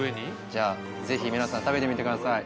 じゃあぜひ皆さん食べてみてください